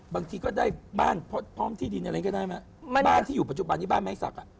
บางทีก็ได้บ้านพร้อมที่ดินอะไรก็ได้ไหมบ้านที่อยู่ปัจจุบันนี้บ้านไม้สักอ่ะ